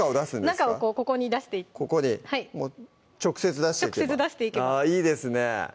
中をここに出していってここに直接出していけばあぁいいですね